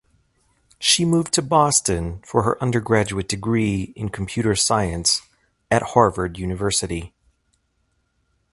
She moved to Boston for her undergraduate degree in Computer Science at Harvard University.